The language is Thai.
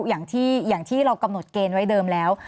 อย่างที่เรากำหนดเกณฑ์ไว้เดิมแล้ว